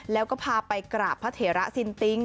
แล้วก็พาไปกราบพระเถระซินติ๊ง